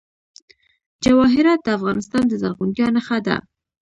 جواهرات د افغانستان د زرغونتیا نښه ده.